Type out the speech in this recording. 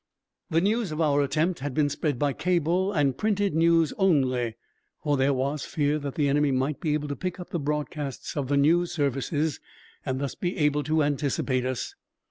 The news of our attempt had been spread by cable and printed news only, for there was fear that the enemy might be able to pick up the broadcasts of the news service and thus be able to anticipate us.